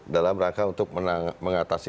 dalam rangka untuk mengatasi